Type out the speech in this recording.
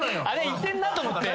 行ってんなと思って。